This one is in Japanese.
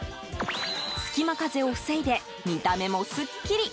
隙間風を防いで見た目もすっきり。